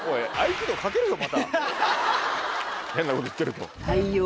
変なこと言ってると。